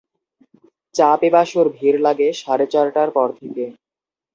চা-পিপাসুর ভিড় লাগে সাড়ে চারটার পর থেকে।